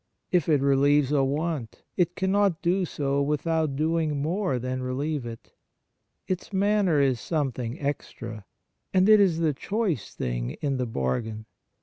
If it relieves a want, it cannot do so without doing more than relieve it. Its manner is something extra, and it is the choice thing in the bargain.